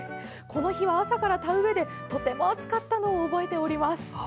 この日は朝から田植えでとても暑かったのを覚えております。